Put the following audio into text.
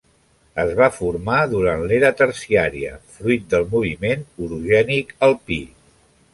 Es va formar durant l'Era terciària, fruit del moviment orogènic alpí.